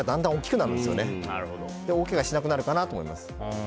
それで大怪我しなくなるかなと思います。